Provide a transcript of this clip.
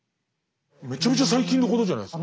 めちゃめちゃ最近のことじゃないですか。